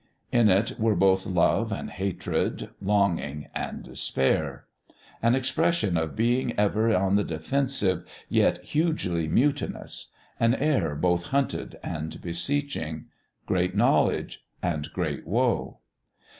In it were both love and hatred, longing and despair; an expression of being ever on the defensive, yet hugely mutinous; an air both hunted and beseeching; great knowledge and great woe.